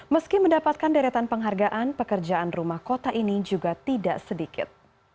meski mendapatkan deretan penghargaan pekerjaan rumah kota ini juga tidak sedikit